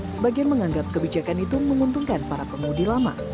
sebagian menganggap kebijakan itu menguntungkan para pemudi lama